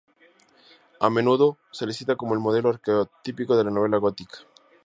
A menudo se la cita como el modelo arquetípico de la novela gótica.